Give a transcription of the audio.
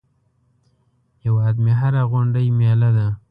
هیواد مې هره غونډۍ مېله ده